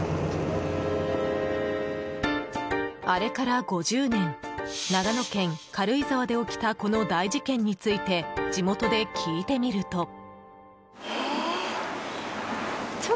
あれから５０年長野県軽井沢で起きたこの大事件について地元で聞いてみると。